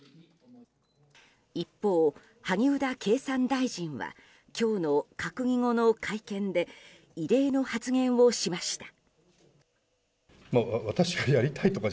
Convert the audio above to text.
一方、萩生田経産大臣は今日の閣議後の会見で異例の発言をしました。